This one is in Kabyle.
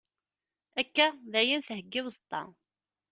Akka, dayen theyya i uẓeṭṭa.